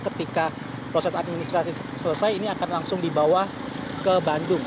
ketika proses administrasi selesai ini akan langsung dibawa ke bandung